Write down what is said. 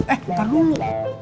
eh ntar dulu